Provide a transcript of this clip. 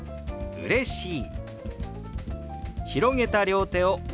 「うれしい」。